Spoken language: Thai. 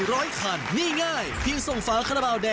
เพราะฉะนั้นอย่าเพิ่งท้อส่งกันเข้ามานะคะ